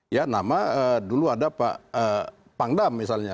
ya nama dulu ada pak pangdam misalnya